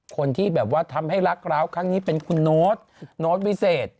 คนที่ทำให้รักเราครั้งนี้เป็นคุณโน๊ตโน๊ตวิเศษ